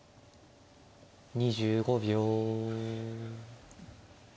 ２５秒。